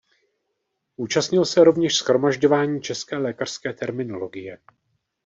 Účastnil se rovněž shromažďování české lékařské terminologie.